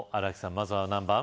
まずは何番？